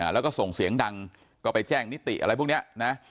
แล้วก็ส่งเสียงดังก็ไปแจ้งนิติอะไรพวกนี้นะ